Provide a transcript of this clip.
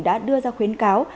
đã đưa ra khuyến cáo